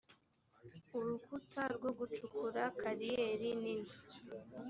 urukuta rwo gucukura kariyeri nini